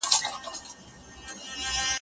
اوړی ژمی په روانو اوبو لامبي